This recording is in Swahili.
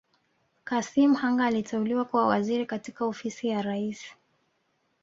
Kassim Hanga aliteuliwa kuwa Waziri katika Ofisi ya Rais